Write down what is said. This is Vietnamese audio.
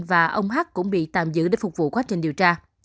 và ông hát cũng bị tạm giữ để phục vụ quá trình điều tra